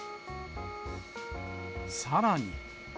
さらに。